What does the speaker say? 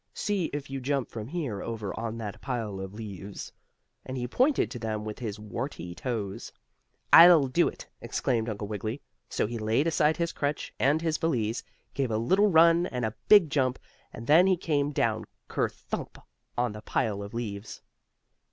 "See if you jump from here over on that pile of leaves," and he pointed to them with his warty toes. "I'll do it," exclaimed Uncle Wiggily. So he laid aside his crutch and his valise, gave a little run and a big jump, and then he came down kerthump on the pile of leaves.